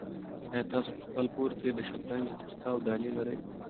آیا تاسو په خپل کور کې د شطرنج تخته او دانې لرئ؟